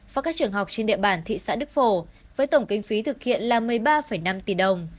và các trường học trên địa bàn thị xã đức phổ với tổng kinh phí thực hiện là một mươi ba năm tỷ đồng